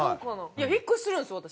引っ越しするんです私。